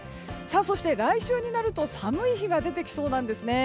そして、来週になると寒い日が出てきそうなんですね。